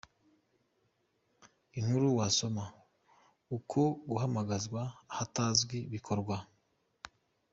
Inkuru wasoma: Uko guhamagazwa ahatazwi bikorwa.